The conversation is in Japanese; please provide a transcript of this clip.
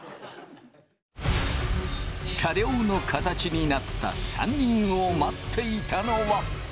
車両の形になった３人を待っていたのは。